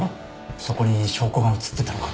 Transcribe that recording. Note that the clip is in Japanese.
そこに証拠が映ってたのかも。